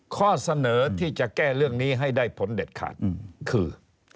ข้อเสนอที่จะแก้เรื่องนี้ให้ได้ผลเด็ดขาดคือ